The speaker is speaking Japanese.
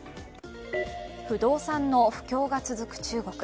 不動産の不況が続く中国。